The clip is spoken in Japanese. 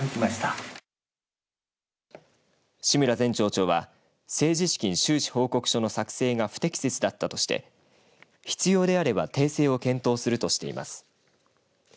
志村前町長は政治資金収支報告書の作成が不適切だったとして必要であれば訂正を検討するとしています。